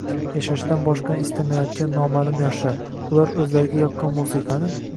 yashashdan boshqani istamayotgan noma’lum yoshlar: ular o‘zlariga yoqqan musiqani